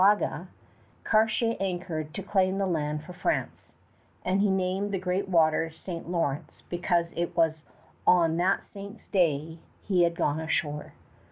Near Mingan, Cartier anchored to claim the land for France; and he named the great waters St. Lawrence because it was on that saint's day he had gone ashore.